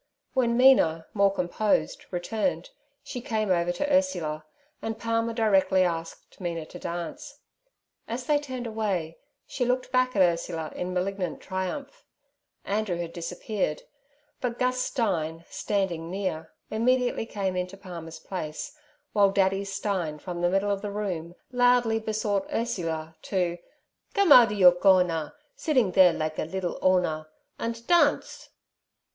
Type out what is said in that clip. When Mina, more composed, returned, she came over to Ursula, and Palmer directly asked Mina to dance. As they turned away she looked back at Ursula in malignant triumph. Andrew had disappeared, but Gus Stein, standing near, immediately came into Palmer's place, while Daddy Stein from the middle of the room loudly besought Ursula to 'Come ouder yer corner, siddin' there likge a liddle 'Orner, andt dance.'